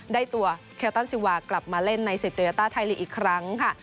ได้ตัวเคลตันซิวากลับมาเล่นในศึกโยต้าไทยลีกอีกครั้งค่ะ